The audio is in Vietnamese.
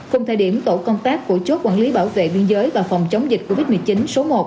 cùng thời điểm tổ công tác của chốt quản lý bảo vệ biên giới và phòng chống dịch covid một mươi chín số một